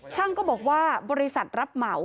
ก็บอกว่าบริษัทรับเหมา